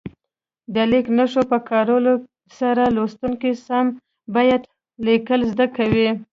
د لیک نښو په کارولو سره لوستونکي سم لیکل زده کوي.